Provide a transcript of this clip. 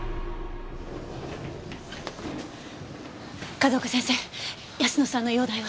風丘先生泰乃さんの容体は？